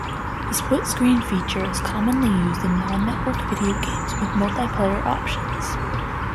The split screen feature is commonly used in non-networked video games with multiplayer options.